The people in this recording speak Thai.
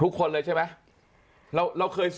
ทุกคนเลยใช่ไหม